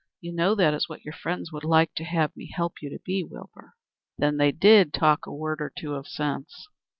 You know that is what your friends would like to have me help you to be, Wilbur." "Then they did talk a word or two of sense?"